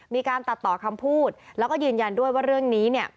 มีการตัดต่อคำพูดแล้วก็ยืนยันด้วยว่าเรื่องนี้เนี่ย